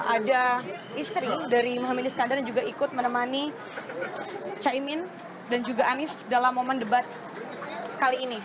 ada istri dari muhammad iskandar yang juga ikut menemani caimin dan juga anies dalam momen debat kali ini